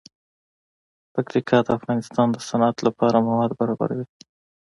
پکتیکا د افغانستان د صنعت لپاره مواد برابروي.